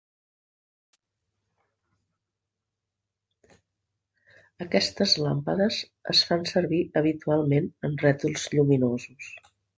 Aquestes làmpades es fan servir habitualment en rètols lluminosos.